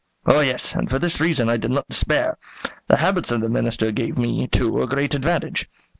"Oh, yes; and for this reason I did not despair. The habits of the Minister gave me, too, a great advantage.